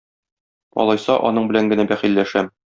Алайса аның белән генә бәхилләшәм.